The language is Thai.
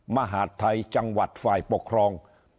มหาดไทยจังหวัดฝ่ายปกครอง